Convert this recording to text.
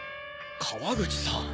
川口さん